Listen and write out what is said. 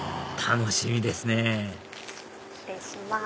楽しみですね失礼します。